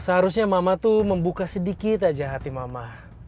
seharusnya mama tuh membuka sedikit aja hati mama